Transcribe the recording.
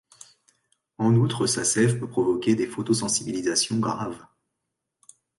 En outre, sa sève peut provoquer des photosensibilisations graves.